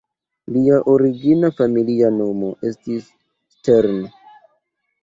Lia origina familia nomo estis Stern".